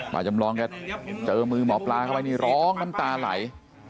จำลองแกเจอมือหมอปลาเข้าไปนี่ร้องน้ำตาไหล